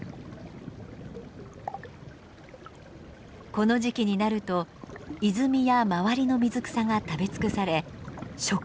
この時期になると泉や周りの水草が食べ尽くされ食料不足に陥ります。